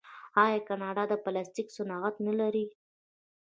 آیا کاناډا د پلاستیک صنعت نلري؟